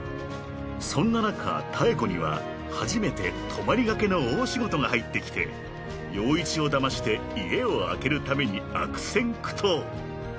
［そんな中妙子には初めて泊まりがけの大仕事が入ってきて陽一をだまして家を空けるために悪戦苦闘］